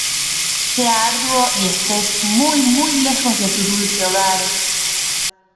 Sea arduo y estés muy, muy lejos de tu dulce hogar...